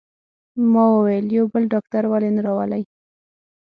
ما وویل: یو بل ډاکټر ولې نه راولئ؟